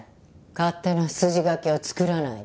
勝手な筋書きを作らないで。